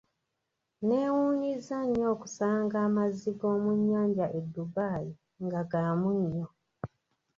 Neewuunyizza nnyo okusanga amazzi g'omu nnyanja e Dubai nga gamunnyo.